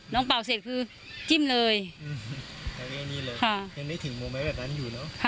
น้องเป่าเสร็จคือจิ้มเลยอันนี้เลยค่ะยังไม่ถึงมุมแม้แบบนั้นอยู่เนอะ